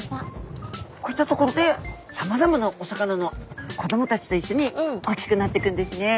こういった所でさまざまなお魚の子どもたちといっしょに大きくなってくんですね。